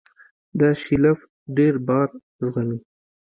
دا شیلف ډېر بار زغمي.